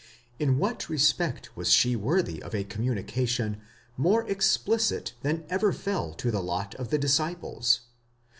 In what respect was she worthy of a communication more explicit than ever fell to the lot of the disciples?